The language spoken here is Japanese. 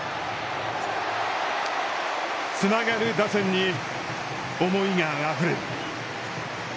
つながる打線に思いがあふれる。